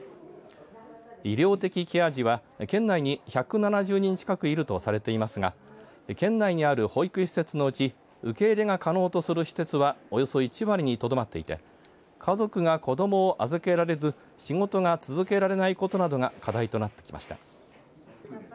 医療的ケア児は県内に１７０人近くいるとされていますが県内にある保育施設のうち受け入れが可能とする施設はおよそ１割にとどまっていて家族が子どもを預けられず仕事が続けられないことなどが課題となってきました。